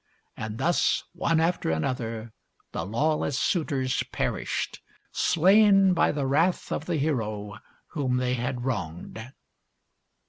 And thus, one after another, the law less suitors perished — slain by the wrath of the hero whom they had wronged.